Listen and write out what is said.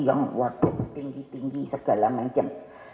yang waduh tinggi tinggi segala macam